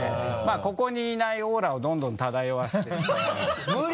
ここにいないオーラをどんどん漂わせてるんで。